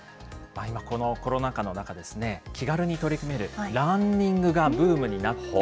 今、このコロナ禍の中、気軽に取り組めるランニングがブームにな